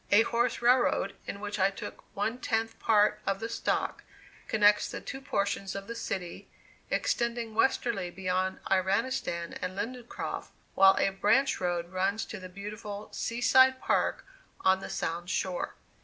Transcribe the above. A horse railroad, in which I took one tenth part of the stock, connects the two portions of the city, extending westerly beyond Iranistan and Lindencroft, while a branch road runs to the beautiful "Sea side Park" on the Sound shore.